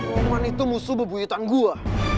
roman itu musuh bebuyutan gue